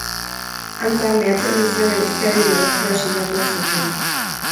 Antza, mehatxu egin zion emazteari dibortzioa sinatu ez zezan.